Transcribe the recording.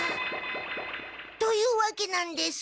というわけなんです。